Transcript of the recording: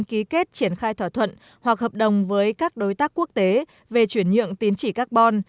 ký kết triển khai thỏa thuận hoặc hợp đồng với các đối tác quốc tế về chuyển nhượng tín chỉ carbon